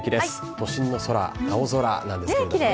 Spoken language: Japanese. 都心の空、青空なんですけれどもね。